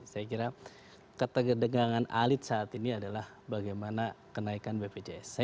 saya kira ketegangan elit saat ini adalah bagaimana kenaikan bpjs